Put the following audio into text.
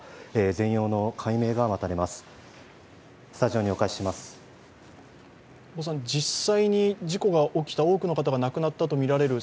全容の解明が待たれます。